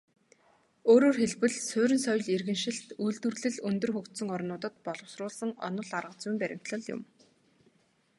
Өөрөөр хэлбэл, суурин соёл иргэншилт, үйлдвэрлэл өндөр хөгжсөн орнуудад боловсруулсан онол аргазүйн баримтлал юм.